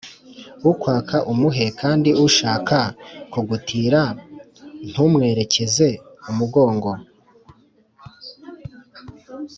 Ukwaka umuhe kandi ushaka kugutira ntumwerekeze umugongo.